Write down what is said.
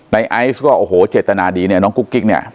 ไอซ์ก็โอ้โหเจตนาดีเนี่ยน้องกุ๊กกิ๊กเนี่ย